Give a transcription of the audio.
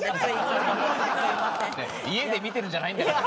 家で見てるんじゃないんだから。